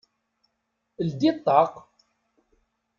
Ldi ṭṭaq!